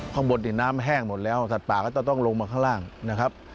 ข้างบนนี่น้ำแห้งหมดแล้วสัตว์ป่าก็จะต้องลงมาข้างล่างนะครับ